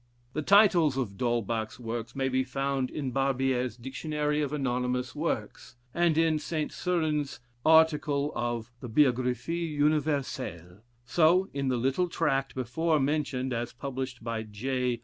The titles of D'Holbach's works may be found in Barbier's "Dictionary of Anonymous Works," and in St. Surins's article in the "Biographie Universelle," so in the little tract before mentioned as published by J.